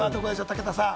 武田さん。